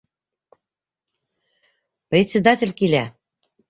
Председатель килә.